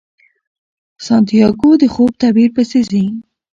سانتیاګو د خوب تعبیر پسې ځي.